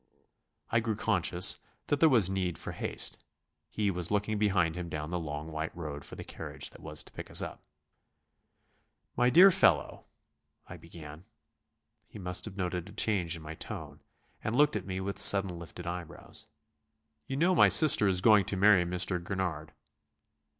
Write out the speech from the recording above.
I grew conscious that there was need for haste; he was looking behind him down the long white road for the carriage that was to pick us up. "My dear fellow...." I began. He must have noted a change in my tone, and looked at me with suddenly lifted eyebrows. "You know my sister is going to marry Mr. Gurnard."